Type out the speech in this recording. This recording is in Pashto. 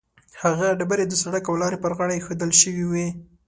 هغه ډبرې د سړک او لارې پر غاړه ایښودل شوې وي.